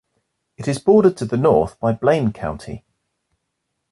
It is bordered to the north by Blaine County.